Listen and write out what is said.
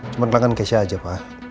cuma telangan geisha aja pak